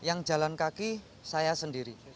yang jalan kaki saya sendiri